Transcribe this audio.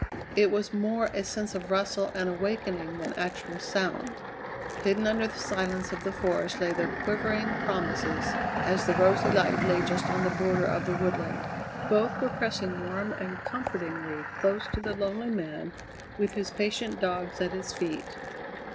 It was more a sense of rustle and awakening than actual sound. Hidden under the silence of the forest lay the quivering promises, as the rosy light lay just on the border of the woodland. Both were pressing warm and comfortingly close to the lonely man with his patient dogs at his feet.